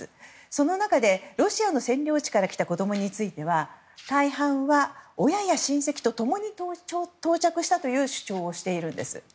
その中でロシアの占領地から来た子供については大半は親や親戚と共に到着したという主張をしているんです。